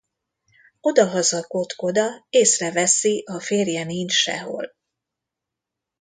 Odahaza Kotkoda észreveszi a férje nincs sehol.